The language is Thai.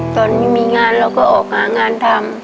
ตอนไม่มีงานเราก็ออกหางานทำ